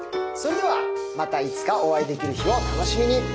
それではまたいつかお会いできる日を楽しみに。